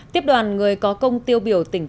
tiếp đoàn người có công tiêu biểu tỉnh tiền giới